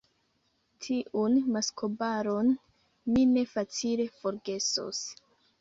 tiun maskobalon mi ne facile forgesos!